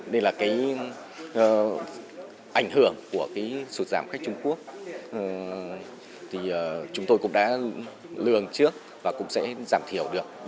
đây là ảnh hưởng của sụt giảm khách trung quốc chúng tôi cũng đã lường trước và cũng sẽ giảm thiểu được